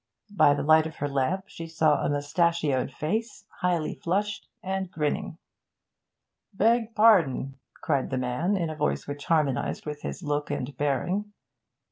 By the light of her lamp she saw a moustachioed face, highly flushed, and grinning. 'Beg pardon,' cried the man, in a voice which harmonised with his look and bearing.